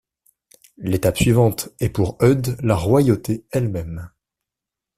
L'étape suivante est pour Eudes la royauté elle-même.